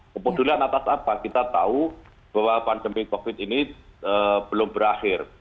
kepedulian atas apa kita tahu bahwa pandemi covid ini belum berakhir